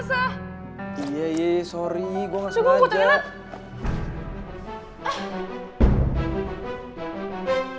sorry kayaknya oke deh